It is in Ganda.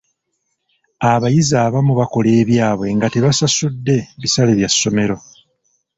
Abayizi abamu bakola ebyabwe nga tebasasudde bisale bya ssomero.